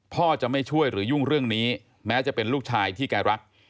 พ่อจะไม่ช่วยหรือยุ่งเรื่องนี้แม้จะเป็นลูกชายที่แกรัก